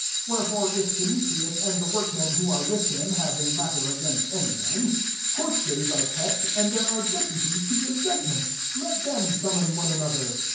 38 Wherefore if Denw trius, and the workmen wl are with him, have a mitti against any one, court days a« kept, and there are deputies ^ give judgment : let them soni mon one another.